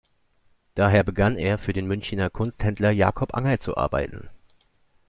Daher begann er, für den Münchner Kunsthändler Jakob Anger zu arbeiten.